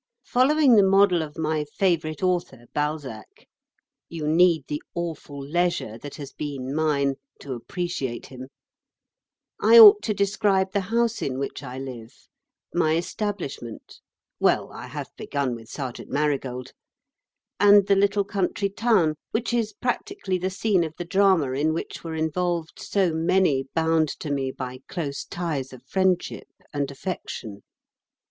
Following the model of my favourite author Balzac you need the awful leisure that has been mine to appreciate him I ought to describe the house in which I live, my establishment well, I have begun with Sergeant Marigold and the little country town which is practically the scene of the drama in which were involved so many bound to me by close ties of friendship and affection.